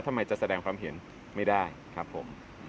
ทำไมจะแสดงความเห็นไม่ได้ครับผม